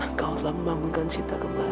engkau telah membangunkan sita kembali